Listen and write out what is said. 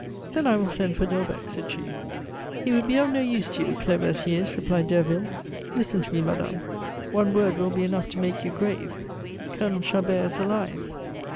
"Then I will send for Delbecq," said she. "He would be of no use to you, clever as he is," replied Derville. "Listen to me, madame; one word will be enough to make you grave. Colonel Chabert is alive!"